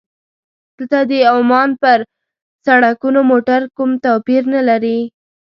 دلته د عمان پر سړکونو موټر کوم توپیر نه لري.